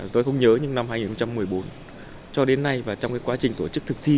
tôi không nhớ nhưng năm hai nghìn một mươi bốn cho đến nay và trong quá trình tổ chức thực thi